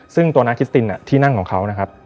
ซึ่งตัวนางคิสตินที่นั่งของเขานะครับ